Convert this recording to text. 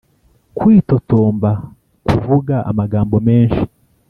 kwitotomba: kuvuga amagambo menshi